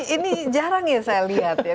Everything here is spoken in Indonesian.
ini jarang ya saya lihat ya